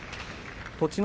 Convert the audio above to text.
栃ノ